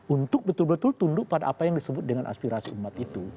untuk betul betul tunduk pada apa yang disebut dengan aspirasi umat itu